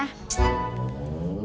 udah kalau enggak